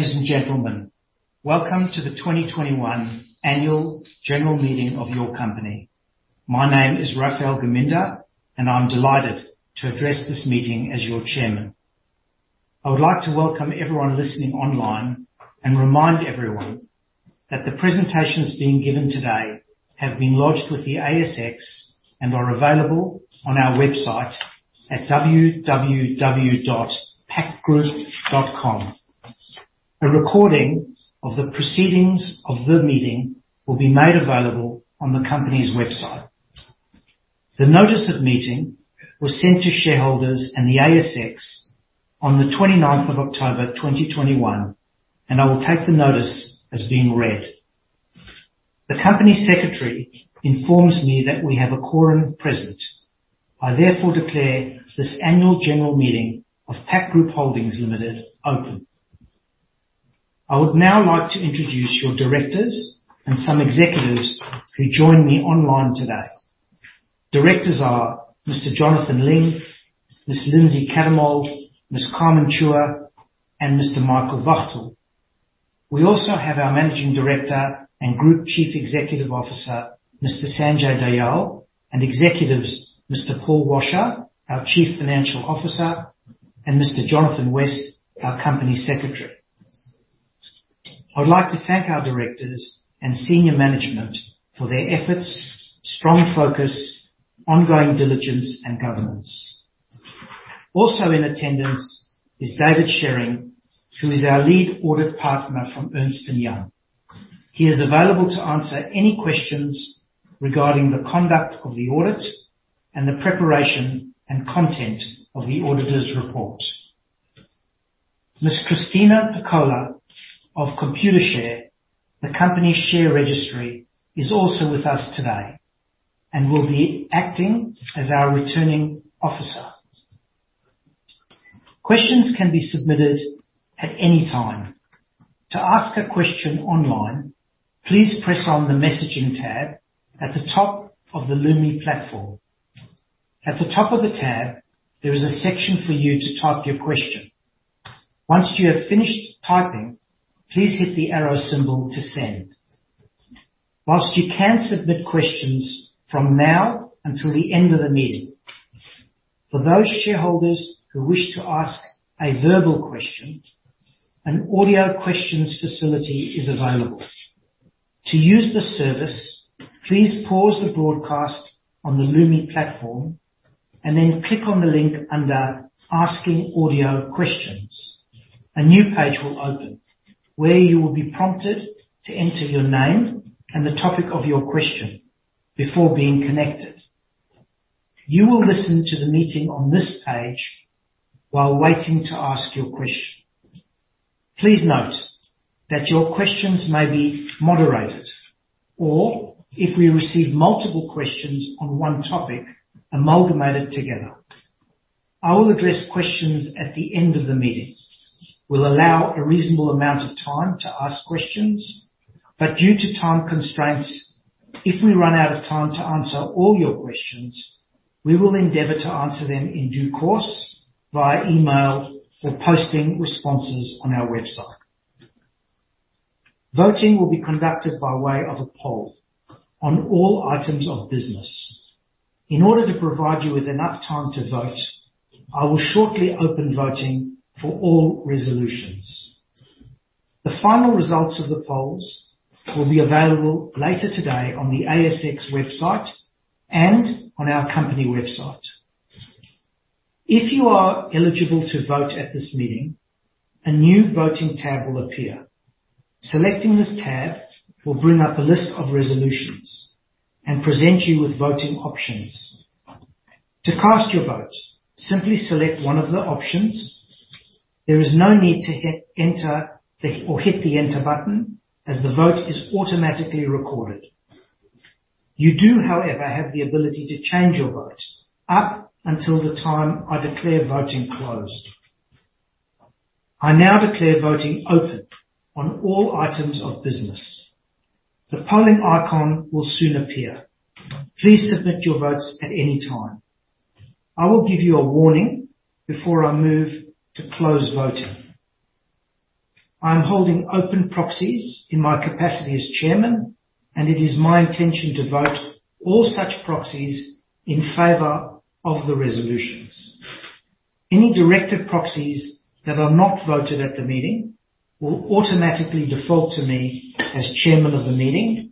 Ladies and gentlemen, welcome to The 2021 Annual General Meeting of Your Company. My name is Raphael Geminder, and I'm delighted to address this meeting as your Chairman. I would like to welcome everyone listening online and remind everyone that the presentations being given today have been lodged with the ASX and are available on our website at www.pactgroup.com. A recording of the proceedings of the meeting will be made available on the company's website. The notice of meeting was sent to shareholders and the ASX on the 29th of October, 2021, and I will take the notice as being read. The company secretary informs me that we have a quorum present. I therefore declare this annual general meeting of Pact Group Holdings Limited open. I would now like to introduce your directors and some executives who join me online today. Directors are Mr. Jonathan Ling, Ms. Lyndsey Cattermole, Ms. Carmen Chua, and Mr. Michael Wachtel. We also have our Managing Director and Group Chief Executive Officer, Mr. Sanjay Dayal, and executives, Mr. Paul Washer, our Chief Financial Officer, and Mr. Jonathon West, our Company Secretary. I'd like to thank our directors and senior management for their efforts, strong focus, ongoing diligence, and governance. Also in attendance is David Sherring, who is our Lead Audit Partner from Ernst & Young. He is available to answer any questions regarding the conduct of the audit and the preparation and content of the auditor's report. Ms. Cristina Picciola of Computershare, the company share registry, is also with us today and will be acting as our returning officer. Questions can be submitted at any time. To ask a question online, please press on the messaging tab at the top of the Lumi platform. At the top of the tab, there is a section for you to type your question. Once you have finished typing, please hit the arrow symbol to send. While you can submit questions from now until the end of the meeting, for those shareholders who wish to ask a verbal question, an audio questions facility is available. To use the service, please pause the broadcast on the Lumi platform and then click on the link under Asking Audio Questions. A new page will open where you will be prompted to enter your name and the topic of your question before being connected. You will listen to the meeting on this page while waiting to ask your question. Please note that your questions may be moderated or if we receive multiple questions on one topic, amalgamated together. I will address questions at the end of the meeting. We'll allow a reasonable amount of time to ask questions, but due to time constraints, if we run out of time to answer all your questions, we will endeavor to answer them in due course via email or posting responses on our website. Voting will be conducted by way of a poll on all items of business. In order to provide you with enough time to vote, I will shortly open voting for all resolutions. The final results of the polls will be available later today on the ASX website and on our company website. If you are eligible to vote at this meeting, a new voting tab will appear. Selecting this tab will bring up a list of resolutions and present you with voting options. To cast your vote, simply select one of the options. There is no need to hit enter or hit the enter button as the vote is automatically recorded. You do, however, have the ability to change your vote up until the time I declare voting closed. I now declare voting open on all items of business. The polling icon will soon appear. Please submit your votes at any time. I will give you a warning before I move to close voting. I am holding open proxies in my capacity as Chairman, and it is my intention to vote all such proxies in favor of the resolutions. Any directed proxies that are not voted at the meeting will automatically default to me as Chairman of the meeting,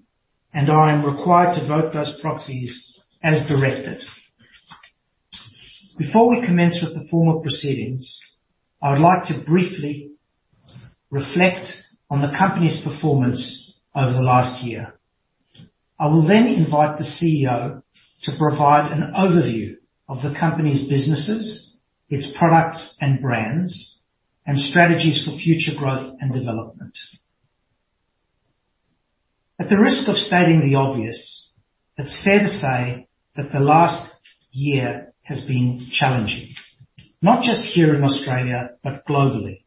and I am required to vote those proxies as directed. Before we commence with the formal proceedings, I would like to briefly reflect on the company's performance over the last year. I will then invite the CEO to provide an overview of the company's businesses, its products and brands, and strategies for future growth and development. At the risk of stating the obvious, it's fair to say that the last year has been challenging, not just here in Australia, but globally.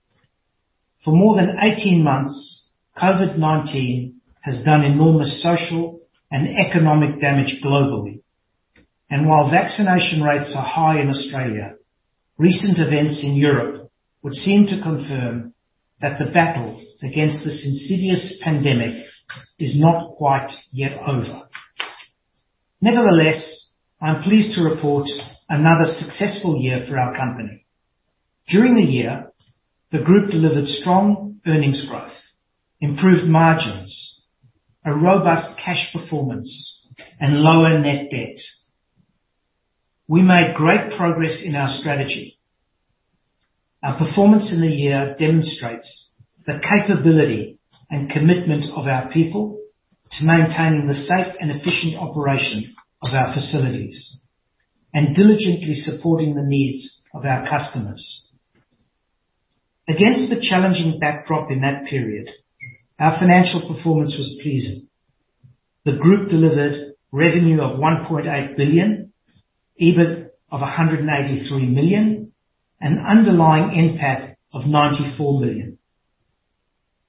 For more than 18 months, COVID-19 has done enormous social and economic damage globally. While vaccination rates are high in Australia, recent events in Europe would seem to confirm that the battle against this insidious pandemic is not quite yet over. Nevertheless, I'm pleased to report another successful year for our company. During the year, the group delivered strong earnings growth, improved margins, a robust cash performance, and lower net debt. We made great progress in our strategy. Our performance in the year demonstrates the capability and commitment of our people to maintaining the safe and efficient operation of our facilities and diligently supporting the needs of our customers. Against the challenging backdrop in that period, our financial performance was pleasing. The group delivered revenue of 1.8 billion, EBIT of 183 million, and underlying NPAT of 90 million.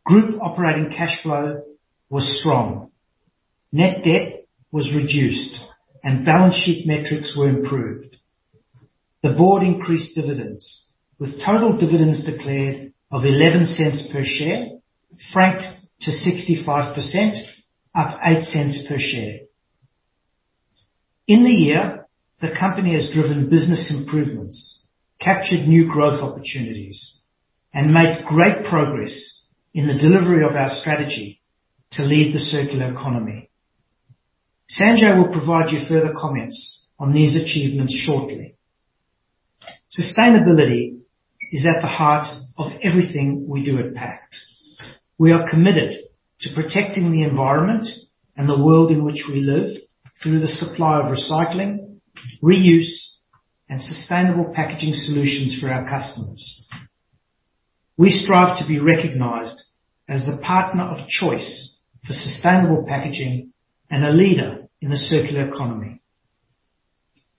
Group operating cash flow was strong, net debt was reduced, and balance sheet metrics were improved. The board increased dividends, with total dividends declared of 0.11 per share, franked to 65%, up 0.08 per share. In the year, the company has driven business improvements, captured new growth opportunities, and made great progress in the delivery of our strategy to lead the circular economy. Sanjay will provide you further comments on these achievements shortly. Sustainability is at the heart of everything we do at Pact. We are committed to protecting the environment and the world in which we live through the supply of recycling, reuse, and sustainable packaging solutions for our customers. We strive to be recognized as the partner of choice for sustainable packaging and a leader in the circular economy.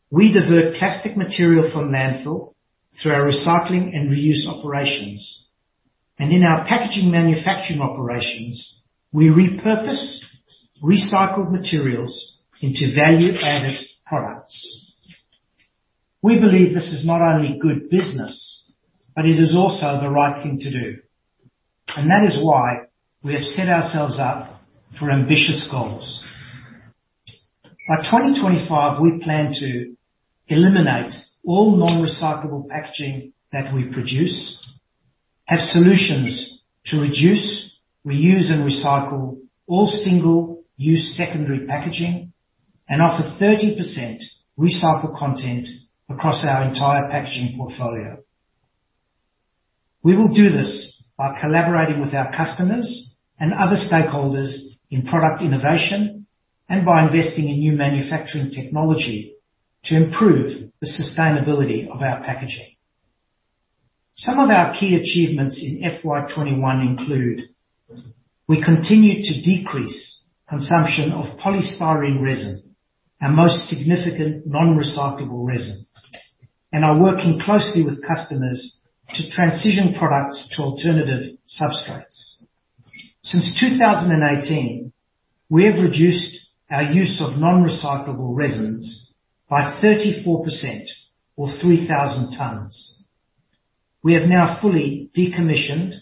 We divert plastic material from landfill through our recycling and reuse operations. In our packaging manufacturing operations, we repurpose recycled materials into value-added products. We believe this is not only good business, but it is also the right thing to do, and that is why we have set ourselves up for ambitious goals. By 2025, we plan to eliminate all non-recyclable packaging that we produce, have solutions to reduce, reuse, and recycle all single-use secondary packaging, and offer 30% recycled content across our entire packaging portfolio. We will do this by collaborating with our customers and other stakeholders in product innovation, and by investing in new manufacturing technology to improve the sustainability of our packaging. Some of our key achievements in FY 2021 include. We continue to decrease consumption of polystyrene resin, our most significant non-recyclable resin, and are working closely with customers to transition products to alternative substrates. Since 2018, we have reduced our use of non-recyclable resins by 34% or 3,000 tons. We have now fully decommissioned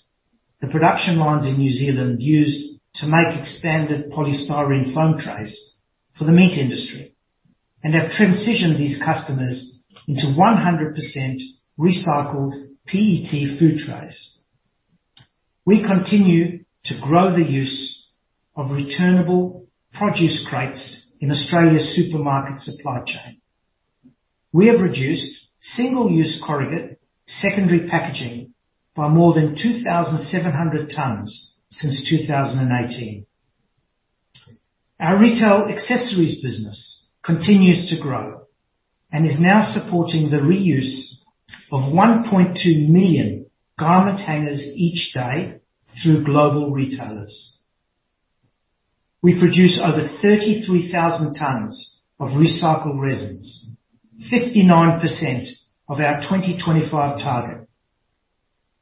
the production lines in New Zealand used to make expanded polystyrene foam trays for the meat industry, and have transitioned these customers into 100% recycled PET food trays. We continue to grow the use of returnable produce crates in Australia's supermarket supply chain. We have reduced single-use corrugate secondary packaging by more than 2,700 tons since 2018. Our retail accessories business continues to grow and is now supporting the reuse of 1.2 million garment hangers each day through global retailers. We produce over 33,000 tons of recycled resins, 59% of our 2025 target.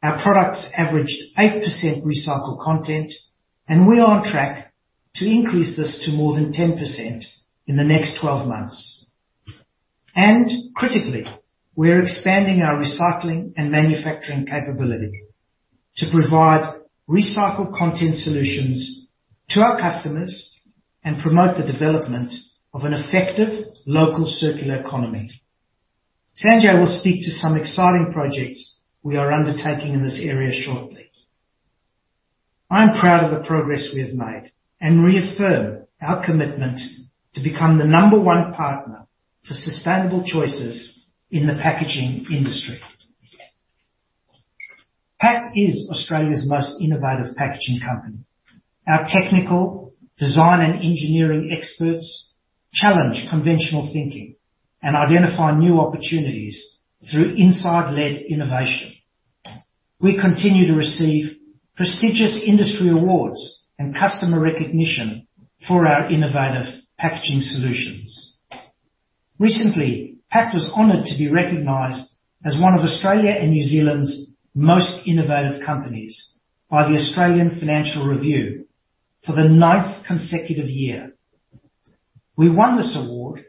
Our products average 8% recycled content, and we are on track to increase this to more than 10% in the next twelve months. Critically, we are expanding our recycling and manufacturing capability to provide recycled content solutions to our customers and promote the development of an effective local circular economy. Sanjay will speak to some exciting projects we are undertaking in this area shortly. I am proud of the progress we have made and reaffirm our commitment to become the number one partner for sustainable choices in the packaging industry. Pact is Australia's most innovative packaging company. Our technical design and engineering experts challenge conventional thinking and identify new opportunities through insight-led innovation. We continue to receive prestigious industry awards and customer recognition for our innovative packaging solutions. Recently, Pact was honored to be recognized as one of Australia and New Zealand's most innovative companies by the Australian Financial Review. For the ninth consecutive year, we won this award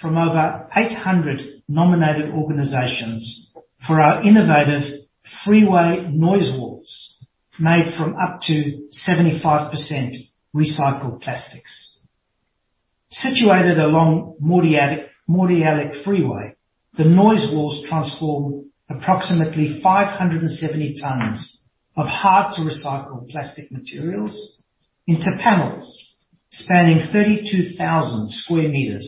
from over 800 nominated organizations for our innovative freeway noise walls made from up to 75% recycled plastics. Situated along Mordialloc Freeway, the noise walls transform approximately 570 tons of hard to recycle plastic materials into panels spanning 32,000 sq m,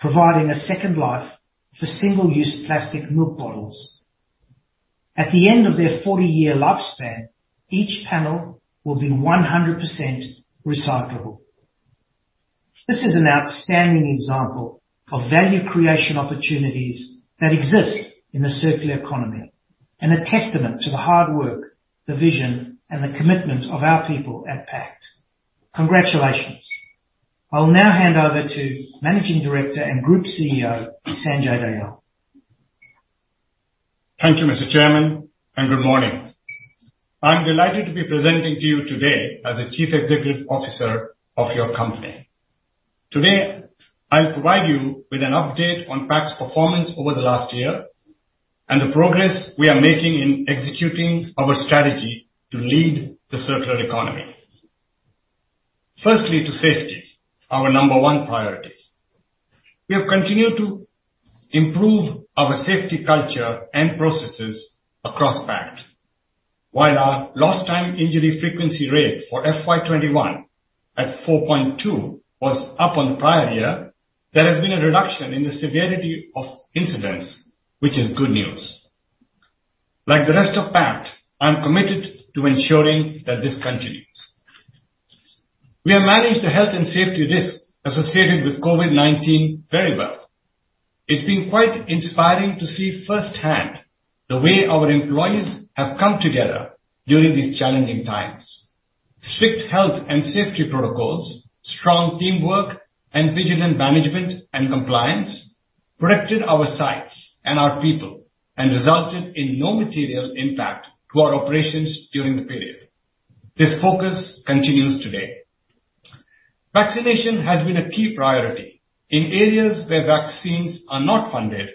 providing a second life for single-use plastic milk bottles. At the end of their 40-year lifespan, each panel will be 100% recyclable. This is an outstanding example of value creation opportunities that exist in the circular economy and a testament to the hard work, the vision, and the commitment of our people at Pact. Congratulations. I'll now hand over to Managing Director and Group CEO, Sanjay Dayal. Thank you, Mr. Chairman, and good morning. I'm delighted to be presenting to you today as the Chief Executive Officer of your company. Today, I'll provide you with an update on PACT's performance over the last year and the progress we are making in executing our strategy to lead the circular economy. Firstly, to safety, our number one priority. We have continued to improve our safety culture and processes across PACT. While our lost time injury frequency rate for FY 2021 at 4.2 was up on the prior year, there has been a reduction in the severity of incidents, which is good news. Like the rest of PACT, I'm committed to ensuring that this continues. We have managed the health and safety risks associated with COVID-19 very well. It's been quite inspiring to see firsthand the way our employees have come together during these challenging times. Strict health and safety protocols, strong teamwork, and vigilant management and compliance protected our sites and our people, and resulted in no material impact to our operations during the period. This focus continues today. Vaccination has been a key priority. In areas where vaccines are not funded,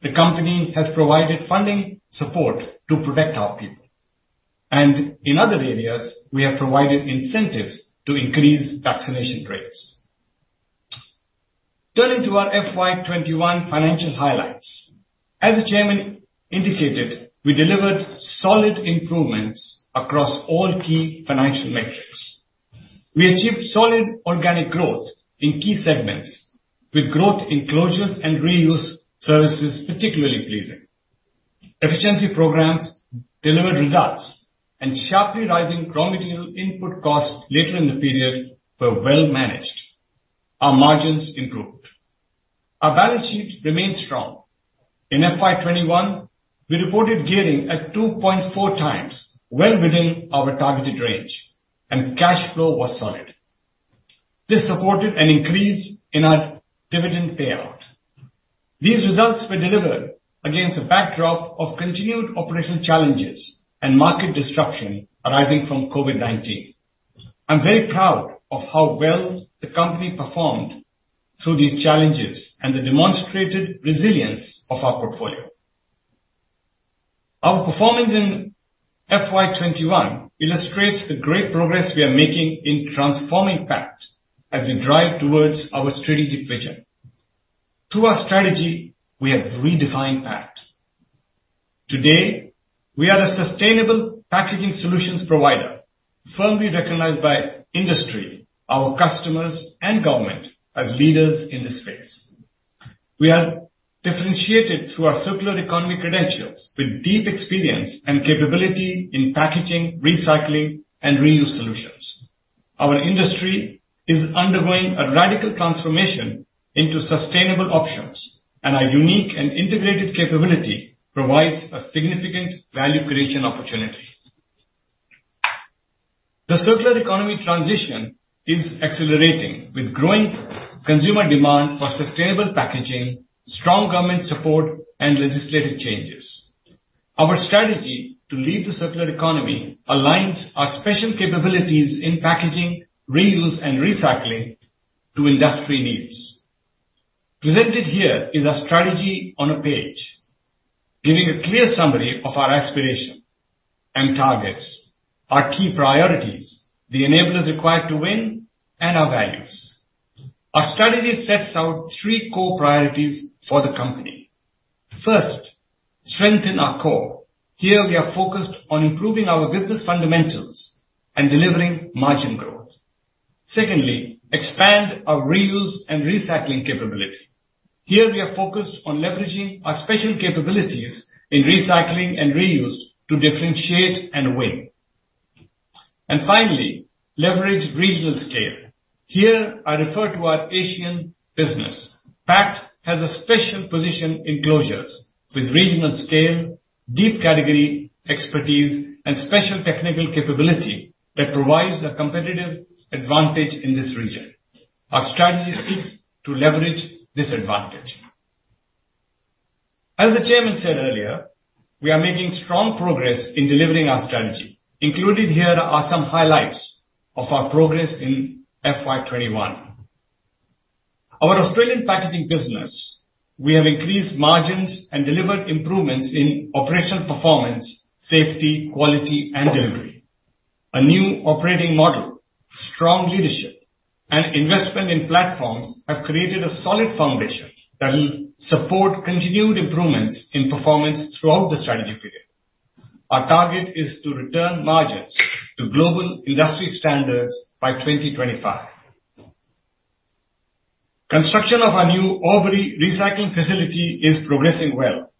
the company has provided funding support to protect our people, and in other areas, we have provided incentives to increase vaccination rates. Turning to our FY 2021 financial highlights. As the Chairman indicated, we delivered solid improvements across all key financial metrics. We achieved solid organic growth in key segments with growth in closures and reuse services, particularly pleasing. Efficiency programs delivered results and sharply rising raw material input costs later in the period were well managed. Our margins improved. Our balance sheet remained strong. In FY 2021, we reported gearing at 2.4x, well within our targeted range, and cash flow was solid. This supported an increase in our dividend payout. These results were delivered against a backdrop of continued operational challenges and market disruption arising from COVID-19. I'm very proud of how well the company performed through these challenges and the demonstrated resilience of our portfolio. Our performance in FY 2021 illustrates the great progress we are making in transforming Pact as we drive towards our strategic vision. Through our strategy, we have redefined Pact. Today, we are a sustainable packaging solutions provider, firmly recognized by industry, our customers, and government as leaders in this space. We are differentiated through our circular economy credentials with deep experience and capability in packaging, recycling, and reuse solutions. Our industry is undergoing a radical transformation into sustainable options, and our unique and integrated capability provides a significant value creation opportunity. The circular economy transition is accelerating with growing consumer demand for sustainable packaging, strong government support, and legislative changes. Our strategy to lead the circular economy aligns our special capabilities in packaging, reuse, and recycling to industry needs. Presented here is our strategy on a page, giving a clear summary of our aspiration and targets, our key priorities, the enablers required to win, and our values. Our strategy sets out three core priorities for the company. First, strengthen our core. Here we are focused on improving our business fundamentals and delivering margin growth. Secondly, expand our reuse and recycling capability. Here we are focused on leveraging our special capabilities in recycling and reuse to differentiate and win. Finally, leverage regional scale. Here, I refer to our Asian business. PACT has a special position in closures with regional scale, deep category expertise, and special technical capability that provides a competitive advantage in this region. Our strategy seeks to leverage this advantage. As the chairman said earlier, we are making strong progress in delivering our strategy. Included here are some highlights of our progress in FY 2021. Our Australian packaging business, we have increased margins and delivered improvements in operational performance, safety, quality, and delivery. A new operating model, strong leadership, and investment in platforms have created a solid foundation that will support continued improvements in performance throughout the strategy period. Our target is to return margins to global industry standards by 2025. Construction of our new Albury recycling facility is progressing well.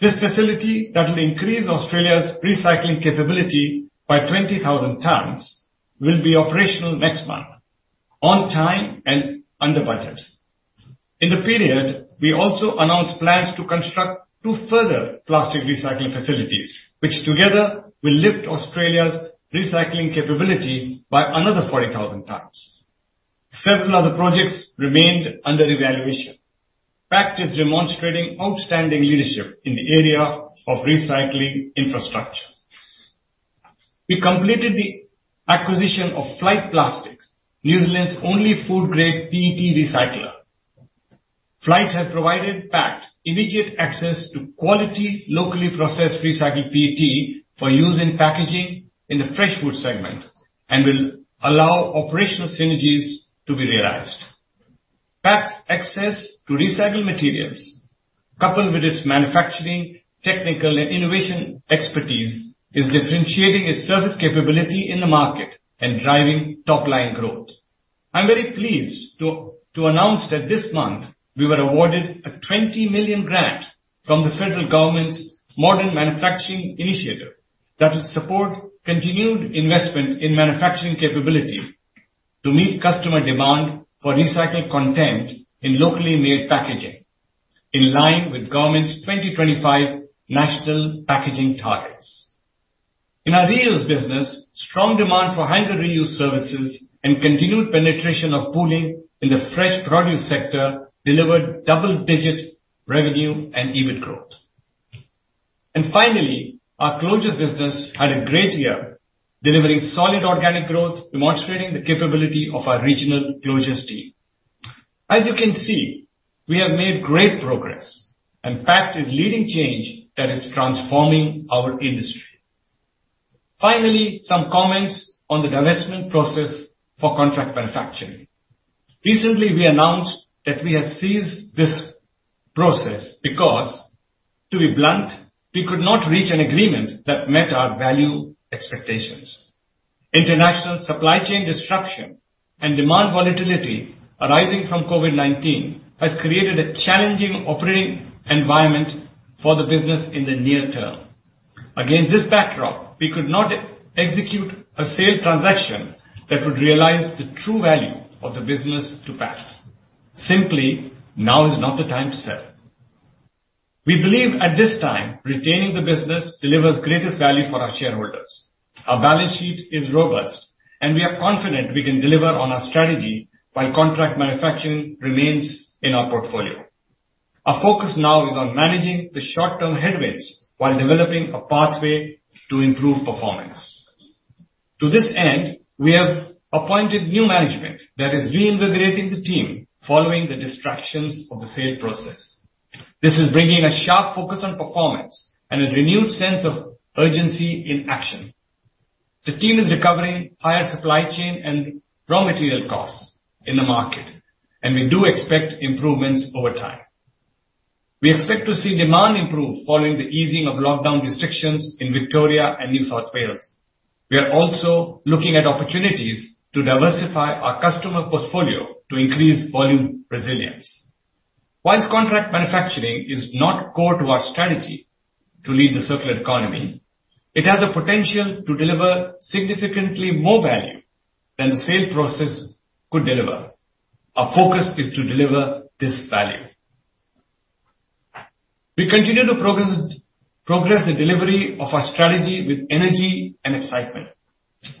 This facility that will increase Australia's recycling capability by 20,000 tons will be operational next month, on time and under budget. In the period, we also announced plans to construct two further plastic recycling facilities, which together will lift Australia's recycling capability by another 40,000 tons. Several other projects remained under evaluation. Pact is demonstrating outstanding leadership in the area of recycling infrastructure. We completed the acquisition of Flight Plastics, New Zealand's only food-grade PET recycler. Flight has provided Pact immediate access to quality, locally processed recycled PET for use in packaging in the fresh food segment and will allow operational synergies to be realized. Pact's access to recycled materials, coupled with its manufacturing, technical, and innovation expertise, is differentiating its service capability in the market and driving top-line growth. I'm very pleased to announce that this month we were awarded an 20 million grant from the federal government's Modern Manufacturing Initiative that will support continued investment in manufacturing capability to meet customer demand for recycled content in locally made packaging in line with government's 2025 national packaging targets. In our reuse business, strong demand for hire to reuse services and continued penetration of pooling in the fresh produce sector delivered double-digit revenue and EBIT growth. Finally, our closures business had a great year delivering solid organic growth, demonstrating the capability of our regional closures team. As you can see, we have made great progress, and Pact is leading change that is transforming our industry. Finally, some comments on the divestment process for contract manufacturing. Recently, we announced that we have ceased this process because, to be blunt, we could not reach an agreement that met our value expectations. International supply chain disruption and demand volatility arising from COVID-19 has created a challenging operating environment for the business in the near term. Against this backdrop, we could not execute a sale transaction that would realize the true value of the business to Pact. Simply, now is not the time to sell. We believe at this time, retaining the business delivers greatest value for our shareholders. Our balance sheet is robust, and we are confident we can deliver on our strategy while contract manufacturing remains in our portfolio. Our focus now is on managing the short-term headwinds while developing a pathway to improve performance. To this end, we have appointed new management that is reinvigorating the team following the distractions of the sale process. This is bringing a sharp focus on performance and a renewed sense of urgency in action. The team is recovering higher supply chain and raw material costs in the market, and we do expect improvements over time. We expect to see demand improve following the easing of lockdown restrictions in Victoria and New South Wales. We are also looking at opportunities to diversify our customer portfolio to increase volume resilience. While contract manufacturing is not core to our strategy to lead the circular economy, it has the potential to deliver significantly more value than the sale process could deliver. Our focus is to deliver this value. We continue to progress the delivery of our strategy with energy and excitement.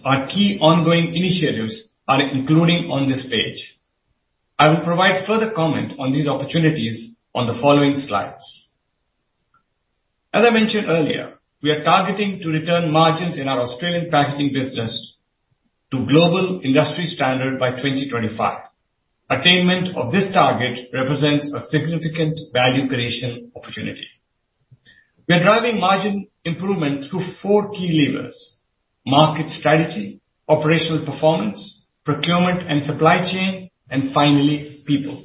Our key ongoing initiatives are including on this page. I will provide further comment on these opportunities on the following slides. As I mentioned earlier, we are targeting to return margins in our Australian packaging business to global industry standard by 2025. Attainment of this target represents a significant value creation opportunity. We are driving margin improvement through four key levers, market strategy, operational performance, procurement and supply chain, and finally, people.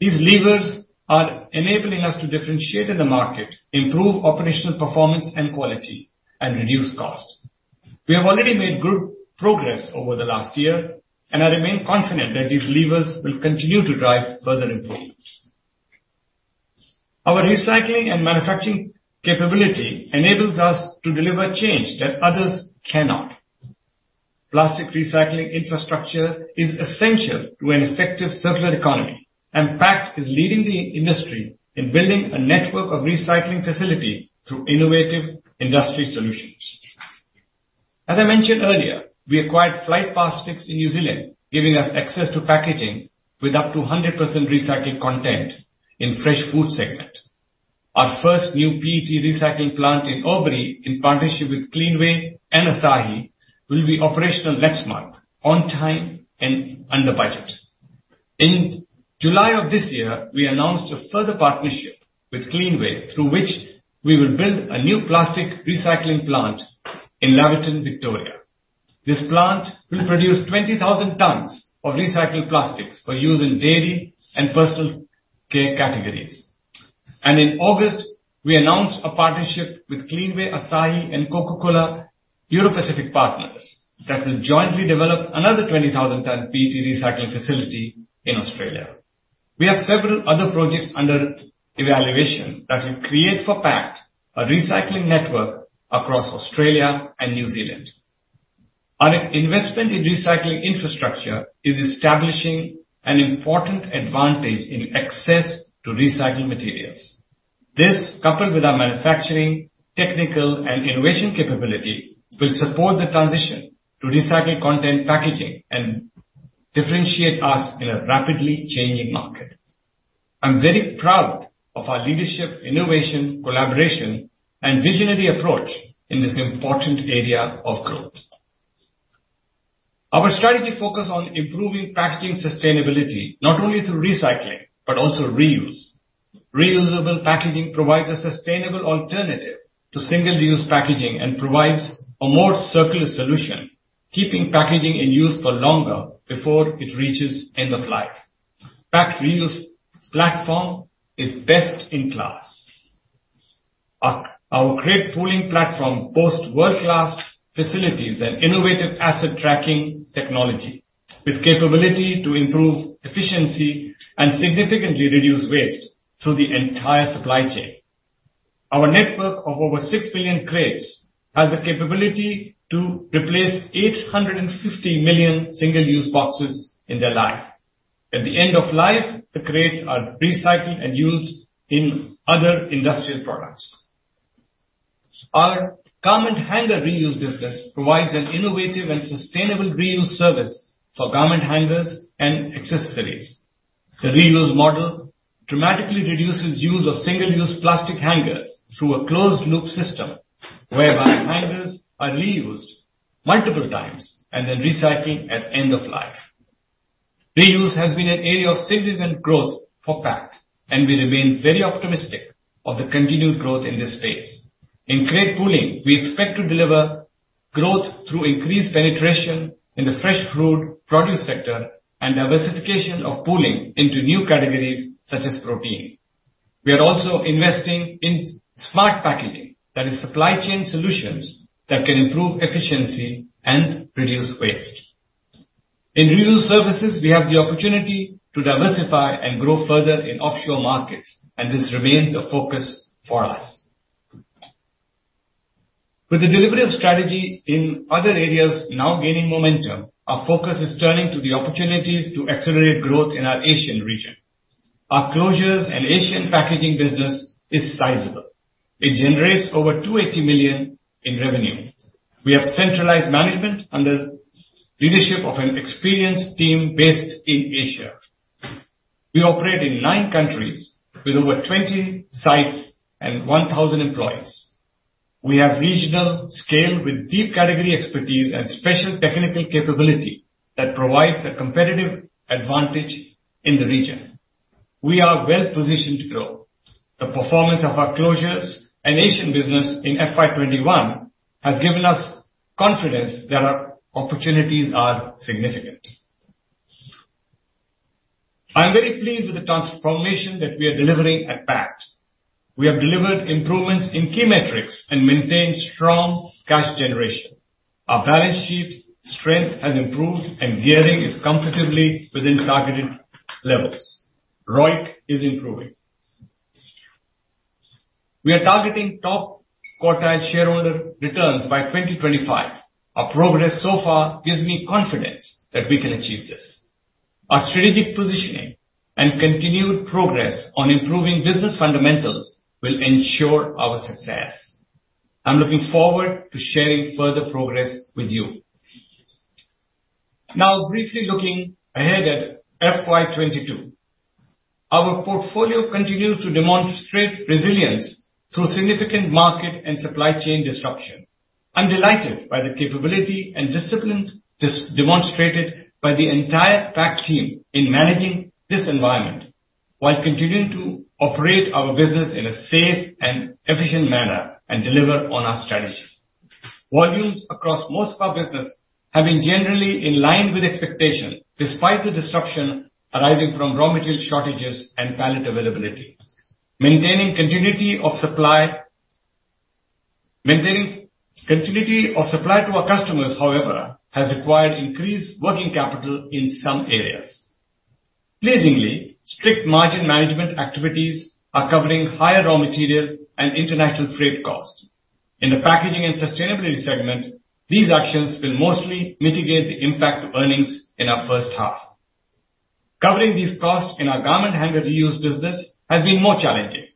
These levers are enabling us to differentiate in the market, improve operational performance and quality, and reduce cost. We have already made good progress over the last year, and I remain confident that these levers will continue to drive further improvements. Our recycling and manufacturing capability enables us to deliver change that others cannot. Plastic recycling infrastructure is essential to an effective circular economy, and Pact is leading the industry in building a network of recycling facility through innovative industry solutions. As I mentioned earlier, we acquired Flight Plastics in New Zealand, giving us access to packaging with up to 100% recycled content in fresh food segment. Our first new PET recycling plant in Albury, in partnership with Cleanaway and Asahi, will be operational next month on time and under budget. In July of this year, we announced a further partnership with Cleanaway, through which we will build a new plastic recycling plant in Laverton, Victoria. This plant will produce 20,000 tons of recycled plastics for use in dairy and personal care categories. In August, we announced a partnership with Cleanaway, Asahi and Coca-Cola Europacific Partners that will jointly develop another 20,000-ton PET recycling facility in Australia. We have several other projects under evaluation that will create for Pact a recycling network across Australia and New Zealand. Our investment in recycling infrastructure is establishing an important advantage in access to recycling materials. This, coupled with our manufacturing, technical, and innovation capability, will support the transition to recycled content packaging and differentiate us in a rapidly changing market. I'm very proud of our leadership, innovation, collaboration, and visionary approach in this important area of growth. Our strategy focus on improving packaging sustainability not only through recycling, but also reuse. Reusable packaging provides a sustainable alternative to single-use packaging and provides a more circular solution, keeping packaging in use for longer before it reaches end of life. Pact Reuse platform is best in class. Our crate pooling platform boasts world-class facilities and innovative asset tracking technology with capability to improve efficiency and significantly reduce waste through the entire supply chain. Our network of over 6 billion crates has the capability to replace 850 million single-use boxes in their life. At the end of life, the crates are recycled and used in other industrial products. Our garment hanger reuse business provides an innovative and sustainable reuse service for garment hangers and accessories. The reuse model dramatically reduces use of single-use plastic hangers through a closed loop system whereby hangers are reused multiple times and then recycled at end of life. Reuse has been an area of significant growth for Pact, and we remain very optimistic of the continued growth in this space. In crate pooling, we expect to deliver growth through increased penetration in the fresh fruit produce sector and diversification of pooling into new categories such as protein. We are also investing in smart packaging that is supply chain solutions that can improve efficiency and reduce waste. In reuse services, we have the opportunity to diversify and grow further in offshore markets, and this remains a focus for us. With the delivery of strategy in other areas now gaining momentum, our focus is turning to the opportunities to accelerate growth in our Asian region. Our closures and Asian packaging business is sizable. It generates over 280 million in revenue. We have centralized management under leadership of an experienced team based in Asia. We operate in nine countries with over 20 sites and 1,000 employees. We have regional scale with deep category expertise and special technical capability that provides a competitive advantage in the region. We are well-positioned to grow. The performance of our closures and Asian business in FY 2021 has given us confidence that our opportunities are significant. I am very pleased with the transformation that we are delivering at Pact. We have delivered improvements in key metrics and maintained strong cash generation. Our balance sheet strength has improved and gearing is comfortably within targeted levels. ROIC is improving. We are targeting top quartile shareholder returns by 2025. Our progress so far gives me confidence that we can achieve this. Our strategic positioning and continued progress on improving business fundamentals will ensure our success. I'm looking forward to sharing further progress with you. Now, briefly looking ahead at FY 2022. Our portfolio continues to demonstrate resilience through significant market and supply chain disruption. I'm delighted by the capability and discipline demonstrated by the entire Pact team in managing this environment while continuing to operate our business in a safe and efficient manner and deliver on our strategy. Volumes across most of our business have been generally in line with expectation despite the disruption arising from raw material shortages and pallet availability. Maintaining continuity of supply to our customers, however, has required increased working capital in some areas. Pleasingly, strict margin management activities are covering higher raw material and international freight costs. In the packaging and sustainability segment, these actions will mostly mitigate the impact to earnings in our first half. Covering these costs in our garment hanger reuse business has been more challenging,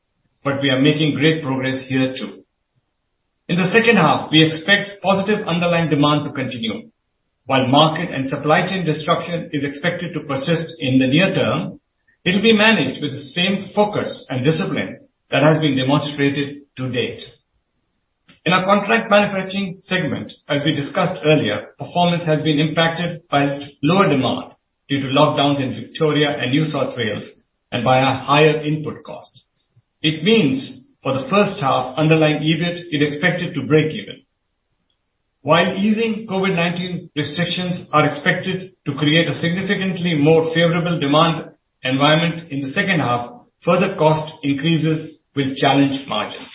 but we are making great progress here, too. In the second half, we expect positive underlying demand to continue. While market and supply chain disruption is expected to persist in the near term, it'll be managed with the same focus and discipline that has been demonstrated to date. In our contract manufacturing segment, as we discussed earlier, performance has been impacted by lower demand due to lockdowns in Victoria and New South Wales and by our higher input costs. It means for the first half underlying EBIT is expected to break even. While easing COVID-19 restrictions are expected to create a significantly more favorable demand environment in the second half, further cost increases will challenge margins.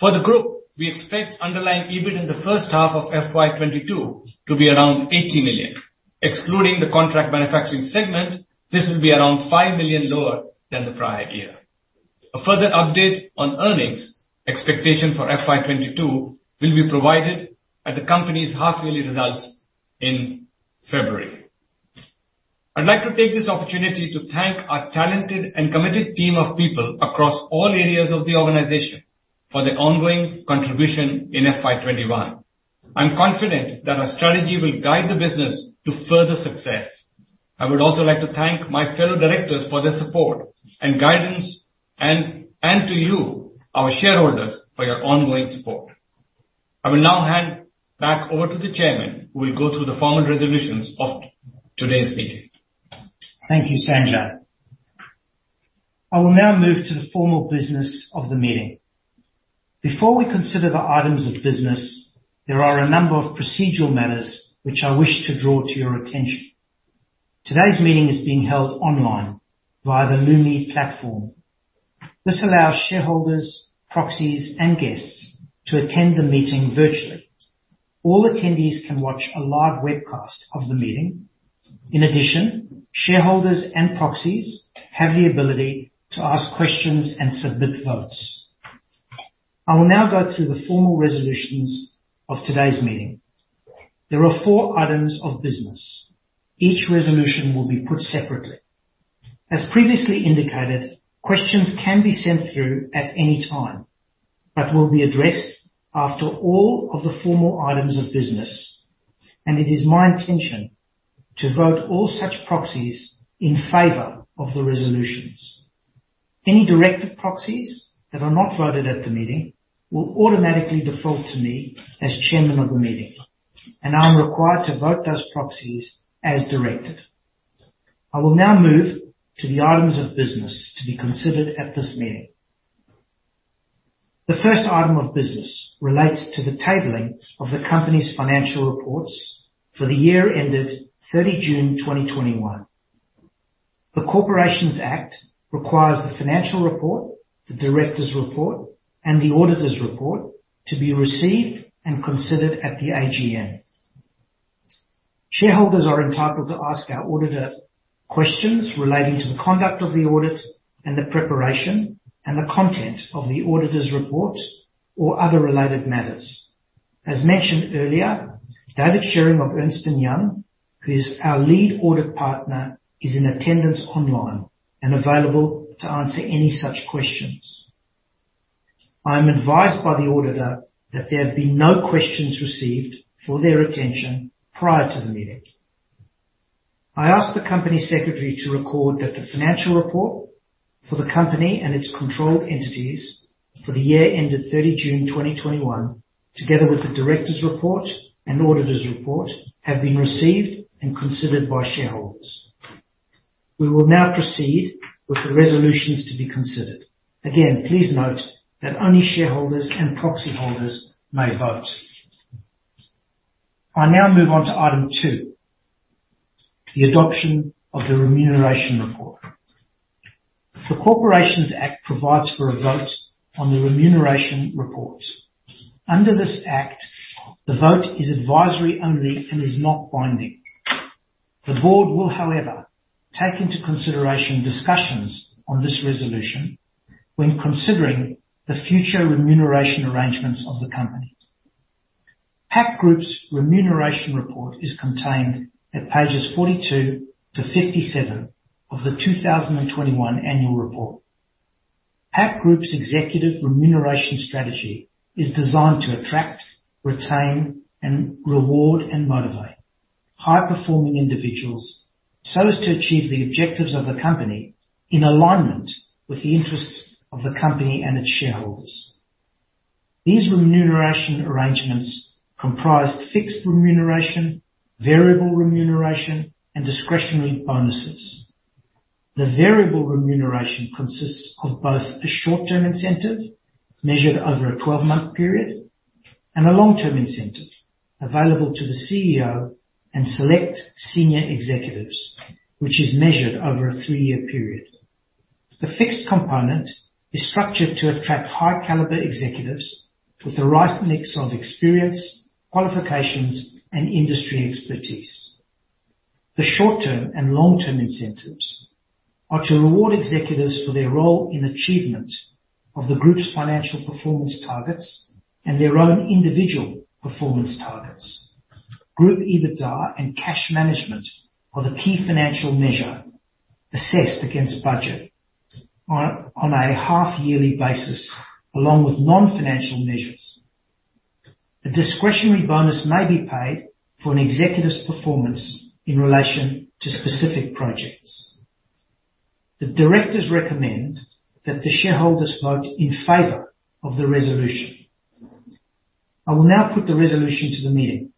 For the group, we expect underlying EBIT in the first half of FY 2022 to be around 80 million. Excluding the contract manufacturing segment, this will be around 5 million lower than the prior year. A further update on earnings expectation for FY 2022 will be provided at the company's half-yearly results in February. I'd like to take this opportunity to thank our talented and committed team of people across all areas of the organization for their ongoing contribution in FY 2021. I'm confident that our strategy will guide the business to further success. I would also like to thank my fellow directors for their support and guidance and to you, our shareholders, for your ongoing support. I will now hand back over to the chairman, who will go through the formal resolutions of today's meeting. Thank you, Sanjay. I will now move to the formal business of the meeting. Before we consider the items of business, there are a number of procedural matters which I wish to draw to your attention. Today's meeting is being held online via the Lumi platform. This allows shareholders, proxies and guests to attend the meeting virtually. All attendees can watch a live webcast of the meeting. In addition, shareholders and proxies have the ability to ask questions and submit votes. I will now go through the formal resolutions of today's meeting. There are four items of business. Each resolution will be put separately. As previously indicated, questions can be sent through at any time, but will be addressed after all of the formal items of business. It is my intention to vote all such proxies in favor of the resolutions. Any directed proxies that are not voted at the meeting will automatically default to me as chairman of the meeting, and I'm required to vote those proxies as directed. I will now move to the items of business to be considered at this meeting. The first item of business relates to the tabling of the company's financial reports for the year ended 30 June 2021. The Corporations Act requires the financial report, the director's report, and the auditor's report to be received and considered at the AGM. Shareholders are entitled to ask our auditor questions relating to the conduct of the audit and the preparation and the content of the auditor's report or other related matters. As mentioned earlier, David Sherring of Ernst & Young, who is our lead audit partner, is in attendance online and available to answer any such questions. I am advised by the auditor that there have been no questions received for their attention prior to the meeting. I ask the company secretary to record that the financial report for the company and its controlled entities for the year ended 30 June 2021, together with the director's report and auditor's report, have been received and considered by shareholders. We will now proceed with the resolutions to be considered. Again, please note that only shareholders and proxy holders may vote. I now move on to item 2, the adoption of the remuneration report. The Corporations Act provides for a vote on the remuneration report. Under this act, the vote is advisory only and is not binding. The board will, however, take into consideration discussions on this resolution when considering the future remuneration arrangements of the company. Pact Group's remuneration report is contained at pages 42-57 of the 2021 annual report. Pact Group's executive remuneration strategy is designed to attract, retain, and reward and motivate high-performing individuals so as to achieve the objectives of the company in alignment with the interests of the company and its shareholders. These remuneration arrangements comprise fixed remuneration, variable remuneration, and discretionary bonuses. The variable remuneration consists of both a short-term incentive measured over a 12-month period and a long-term incentive available to the CEO and select senior executives, which is measured over a 3-year period. The fixed component is structured to attract high caliber executives with the right mix of experience, qualifications, and industry expertise. The short-term and long-term incentives are to reward executives for their role in achievement of the group's financial performance targets and their own individual performance targets. Group EBITDA and cash management are the key financial measure assessed against budget on a half-yearly basis, along with non-financial measures. A discretionary bonus may be paid for an executive's performance in relation to specific projects. The directors recommend that the shareholders vote in favor of the resolution. I will now put the resolution to the meeting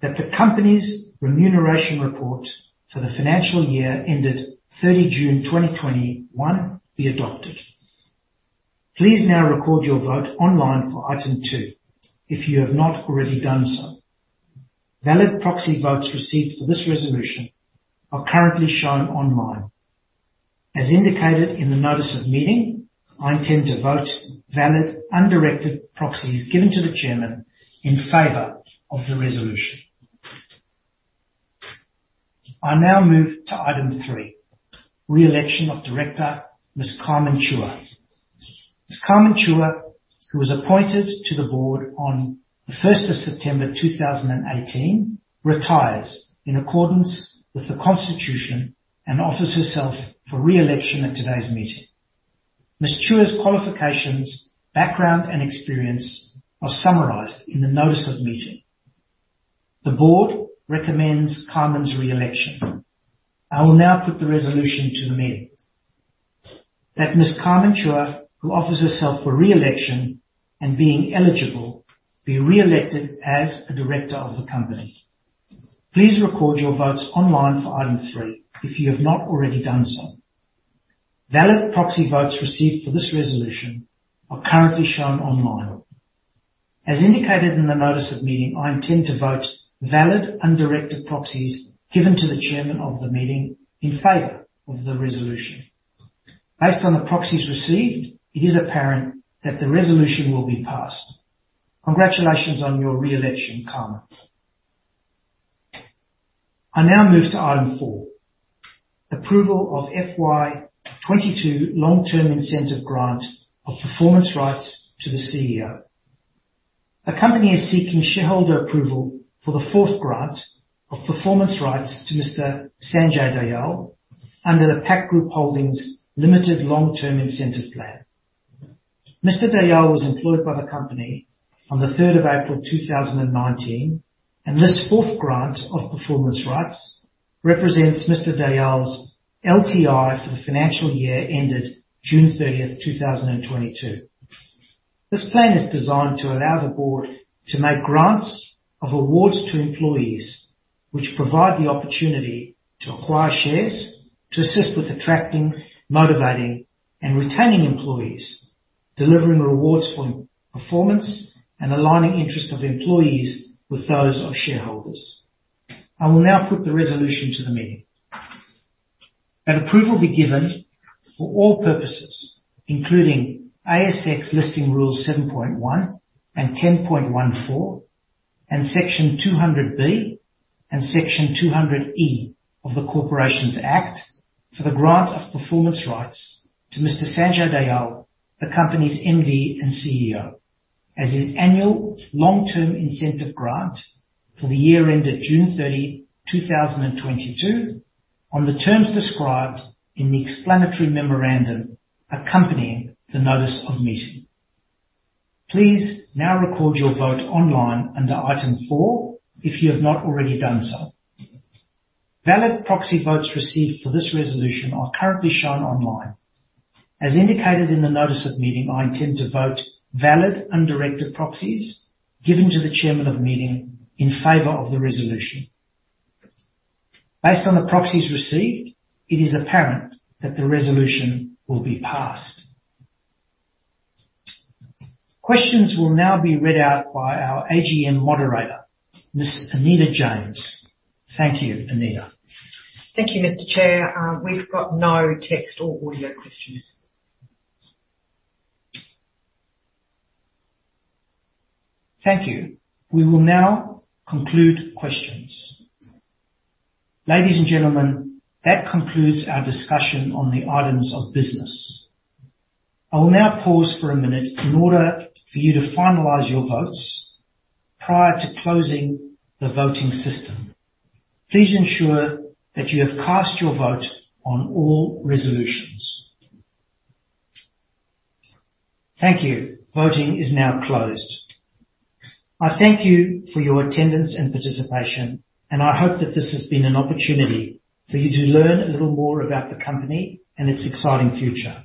that the company's remuneration report for the financial year ended 30 June 2021 be adopted. Please now record your vote online for item two if you have not already done so. Valid proxy votes received for this resolution are currently shown online. As indicated in the notice of meeting, I intend to vote valid undirected proxies given to the chairman in favor of the resolution. I now move to item three, re-election of director, Ms. Carmen Chua. Ms. Carmen Chua, who was appointed to the board on the first of September 2018, retires in accordance with the constitution and offers herself for re-election at today's meeting. Ms. Chua's qualifications, background, and experience are summarized in the notice of meeting. The board recommends Carmen's re-election. I will now put the resolution to the meeting. That Ms. Carmen Chua, who offers herself for re-election and being eligible, be re-elected as a director of the company. Please record your votes online for item three if you have not already done so. Valid proxy votes received for this resolution are currently shown online. As indicated in the notice of meeting, I intend to vote valid undirected proxies given to the chairman of the meeting in favor of the resolution. Based on the proxies received, it is apparent that the resolution will be passed. Congratulations on your re-election, Carmen. I now move to item four, approval of FY 2022 long-term incentive grant of performance rights to the CEO. The company is seeking shareholder approval for the fourth grant of performance rights to Mr. Sanjay Dayal under the Pact Group Holdings Limited long-term incentive plan. Mr. Dayal was employed by the company on 3 April 2019, and this fourth grant of performance rights represents Mr. Dayal's LTI for the financial year ended 30 June 2022. This plan is designed to allow the board to make grants of awards to employees which provide the opportunity to acquire shares to assist with attracting, motivating, and retaining employees, delivering rewards for performance and aligning interest of employees with those of shareholders. I will now put the resolution to the meeting. That approval be given for all purposes, including ASX Listing Rule 7.1 and 10.14 and Section 200B and Section 200E of the Corporations Act for the grant of performance rights to Mr. Sanjay Dayal, the company's MD and CEO, as his annual long-term incentive grant for the year ended June 30, 2022, on the terms described in the explanatory memorandum accompanying the notice of meeting. Please now record your vote online under item 4 if you have not already done so. Valid proxy votes received for this resolution are currently shown online. As indicated in the notice of meeting, I intend to vote valid undirected proxies given to the chairman of the meeting in favor of the resolution. Based on the proxies received, it is apparent that the resolution will be passed. Questions will now be read out by our AGM moderator, Ms. Anita James. Thank you, Anita. Thank you, Mr. Chair. We've got no text or audio questions. Thank you. We will now conclude questions. Ladies and gentlemen, that concludes our discussion on the items of business. I will now pause for a minute in order for you to finalize your votes prior to closing the voting system. Please ensure that you have cast your vote on all resolutions. Thank you. Voting is now closed. I thank you for your attendance and participation, and I hope that this has been an opportunity for you to learn a little more about the company and its exciting future.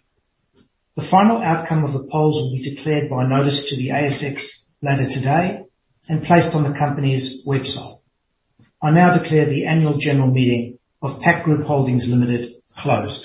The final outcome of the polls will be declared by notice to the ASX later today and placed on the company's website. I now declare the annual general meeting of Pact Group Holdings Limited closed.